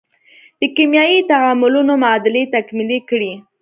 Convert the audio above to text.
د کیمیاوي تعاملونو معادلې تکمیلې کړئ.